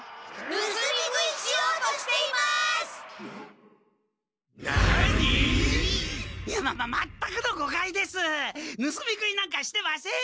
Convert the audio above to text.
ぬすみ食いなんかしてません。